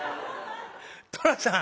寅さん